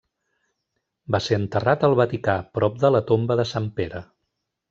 Va ser enterrat al Vaticà, prop de la tomba de sant Pere.